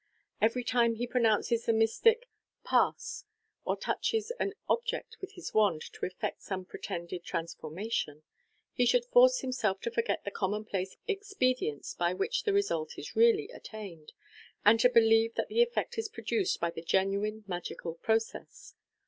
Every time he pronounces the mystic u Pass !* or touches an object with his wand to effect some pretended trans MODERN MA GIC. 5©3 formation, he should force himself to forget the commonplace expedi ents by which the result is really attained, and to believe that the effect is produced by a genuine magical process.